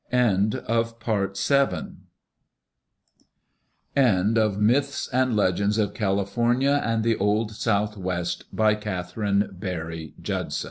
End of the Project Gutenberg EBook of Myths and Legends of California and the Old Southwest, by Katharine Berry Judso